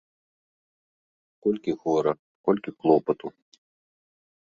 Колькі гора, колькі клопату!